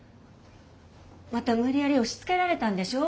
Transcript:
また無理やり押しつけられたんでしょ？